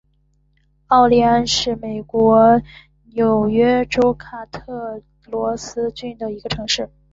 奥利安是美国纽约州卡特罗格斯郡的一个城市。